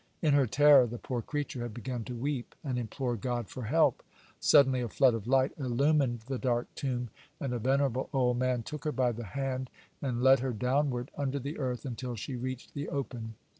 In her terror the poor creature had begun to weep and implore God for help. Suddenly a flood of light illumined the dark tomb, and a venerable old man took her by the hand, and led her downward under the earth until she reached the open.